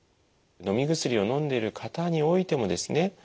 のみ薬をのんでいる方においてもですね